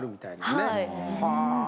はい。